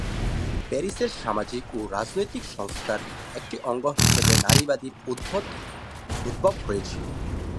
প্যারিসে সামাজিক ও রাজনৈতিক সংস্কারের একটি অঙ্গ হিসেবে নারীবাদের উদ্ভব হয়েছিল।